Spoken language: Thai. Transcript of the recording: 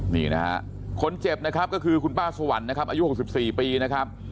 นี่นะฮะคนเจ็บนะครับก็คือคุณป้าสวรรค์นะครับอายุ๖๔ปีนะครับ